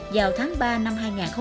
vào tháng ba năm hai nghìn một mươi hai